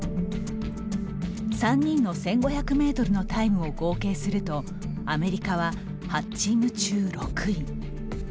３人の１５００メートルのタイムを合計するとアメリカは８チーム中、６位。